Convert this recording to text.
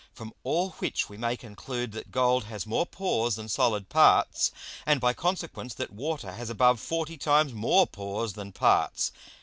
From all which we may conclude, that Gold has more Pores than solid parts, and by consequence that Water has above forty times more Pores than Parts.